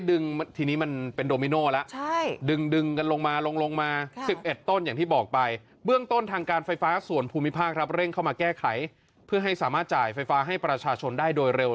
อ๋อตรงพื้นมานะเออตรงนั้นอ่ะสี่ห้าตัว